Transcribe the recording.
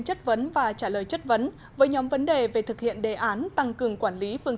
chất vấn và trả lời chất vấn với nhóm vấn đề về thực hiện đề án tăng cường quản lý phương